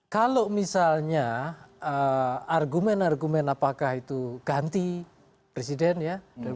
kalau misalnya argumen argumen apakah itu ganti presiden ya